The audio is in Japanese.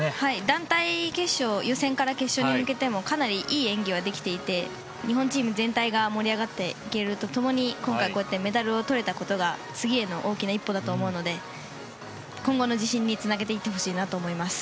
団体決勝予選から決勝に向けてもかなりいい演技はできていて日本チーム全体が盛り上がっていけると共に今回、メダルをとれたことが次への大きな一歩だと思うので今後の自信につなげていってほしいなと思います。